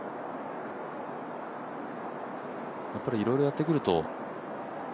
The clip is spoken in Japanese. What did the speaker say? やっぱりいろいろやってくると。